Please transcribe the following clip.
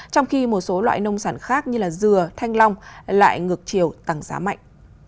trong khi một số loại nông sản khác như dừa thanh long lại ngược chiều tăng giá mạnh